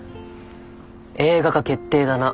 映画化決定だな